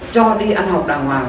cho đi ăn học đàng hoàng